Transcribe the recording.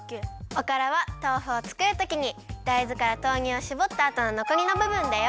おからはとうふをつくるときにだいずからとうにゅうをしぼったあとののこりのぶぶんだよ。